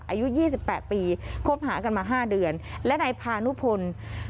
อายุ๒๘ปีคบหากันมา๕เดือนและนายพานุพล